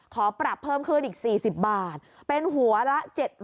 ขอปรับเพิ่มขึ้นอีก๔๐บาทเป็นหัวละ๗๐๐